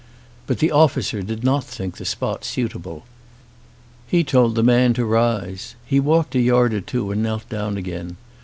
But the officer did not think the spot suitable. He told the man to rise. He walked a yard or two and knelt down again.